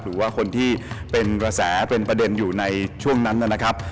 หรือว่าคนที่เป็นกระแสเป็นประเด็นอยู่ในช่วงนั้นนะครับ